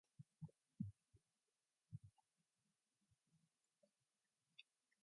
The women have the right to retaliate on the men.